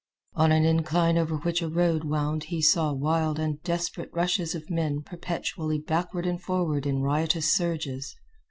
On an incline over which a road wound he saw wild and desperate rushes of men perpetually backward and forward in riotous surges.